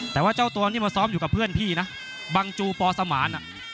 แต่ว่าเจ้าตัวนี่มาซ้อมอยู่กับเพื่อนพี่นะบังจูปอสมาน